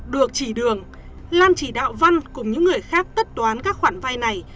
được chỉ đường lan chỉ đạo văn cùng những người khác tất toán các khoản vay này